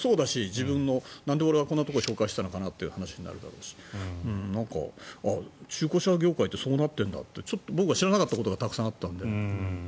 自分の、なんで俺はこんなところに紹介したのかなっていう話になるだろうし中古車業界ってそうなっているんだって僕も知らないことがたくさんあったので。